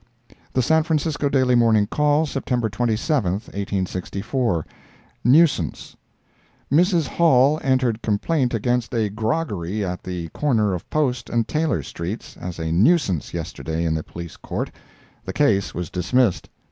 The San Francisco Daily Morning Call, September 27, 1864 NUISANCE Mrs. Hall entered complaint against a groggery at the corner of Post and Taylor streets, as a nuisance, yesterday, in the Police Court. The case was dismissed.